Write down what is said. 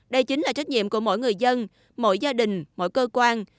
đây chính là trách nhiệm của mỗi người dân mỗi gia đình mỗi cơ quan